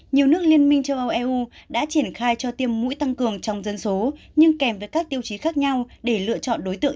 nhiều nước liên minh châu âu eu đã triển khai cho tiêm mũi tăng cường trong dân số nhưng kèm với các tiêu chí khác nhau để lựa chọn đối tượng